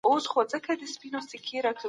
د غرمې او شپې ډوډۍ باید په خپل وخت وخوړل شي.